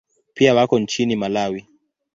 Pia wako nchini Malawi.